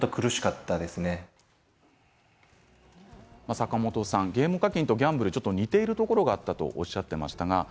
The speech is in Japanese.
坂本さんゲーム課金とギャンブルが似ているところがあったとおっしゃっていました。